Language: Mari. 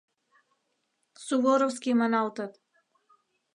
Суворовский маналтыт...